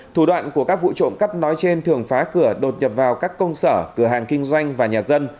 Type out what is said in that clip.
thủ đoạn của các vụ trộm cắp nói trên thường phá cửa đột nhập vào các công sở cửa hàng kinh doanh và nhà dân